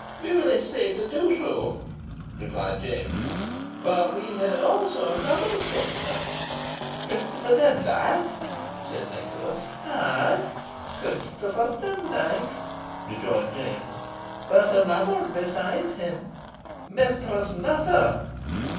"We will essay to do so," replied James; "but we have also another prisoner." "Christopher Demdike?" said Nicholas. "Ay, Christopher Demdike," rejoined James. "But another besides him Mistress Nutter.